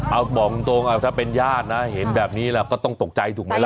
เอาบอกตรงถ้าเป็นญาตินะเห็นแบบนี้เราก็ต้องตกใจถูกไหมล่ะ